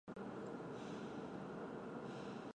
二户车站所共用的铁路车站。